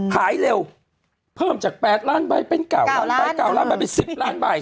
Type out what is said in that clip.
หายเร็วเพิ่มจาก๘ล้านใบเป็น๙ล้านใบ๙ล้านใบเป็น๑๐ล้านใบ